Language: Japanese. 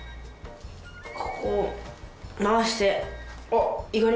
ここを回して。